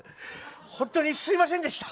ホントにすいませんでした。